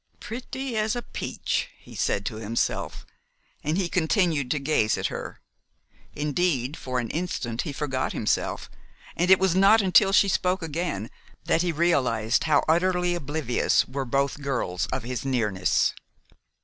"Pretty as a peach!" he said to himself, and he continued to gaze at her. Indeed, for an instant he forgot himself, and it was not until she spoke again that he realized how utterly oblivious were both girls of his nearness.